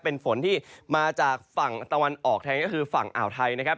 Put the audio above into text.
เป็นฝนที่มาจากฝั่งตะวันออกแทนก็คือฝั่งอ่าวไทยนะครับ